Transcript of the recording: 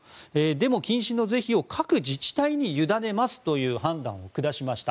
デモ禁止の是非を各自治体に委ねますという判断を下しました。